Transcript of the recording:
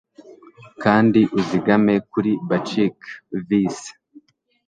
kandi uzigame kuri bacchic vice